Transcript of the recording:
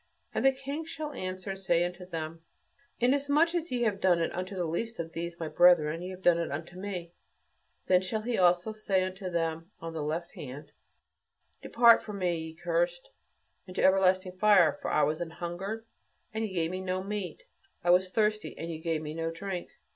and the King shall answer and say unto them, "Inasmuch as ye have done it unto the least of these my brethren, ye have done it unto me." Then shall he say also unto them on the left hand, "Depart from me, ye cursed, into everlasting fire ... for I was an hungered, and ye gave me no meat: I was thirsty, and ye gave me no drink